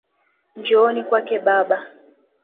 Njooni kwake baba